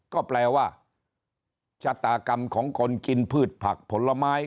ก็แปลว่าชะตากรรมของคนกินพืชผักผลไม้